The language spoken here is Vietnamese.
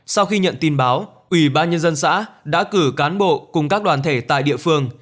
sau khi nhận tin báo ủy ban nhân dân xã đã cử cán bộ cùng các đoàn thể tại địa phương